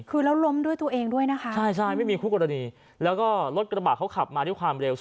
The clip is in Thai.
คือแล้วล้มด้วยตัวเองด้วยนะคะใช่ใช่ไม่มีคู่กรณีแล้วก็รถกระบะเขาขับมาด้วยความเร็ว